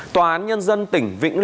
tòa án nhân dân tỉnh vĩnh lưu